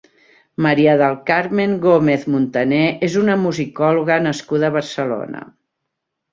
María del Carmen Gómez Muntané és una musicòloga nascuda a Barcelona.